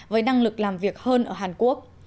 với năng lực làm việc hơn ở hàn quốc